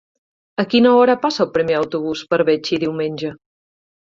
A quina hora passa el primer autobús per Betxí diumenge?